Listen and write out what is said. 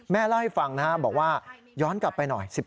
เล่าให้ฟังนะครับบอกว่าย้อนกลับไปหน่อย